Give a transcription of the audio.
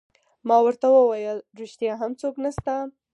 ما ورته وویل: ریښتیا هم څوک نشته؟